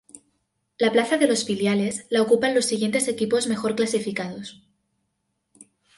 La plaza de los filiales la ocupan los siguientes equipos mejor clasificados.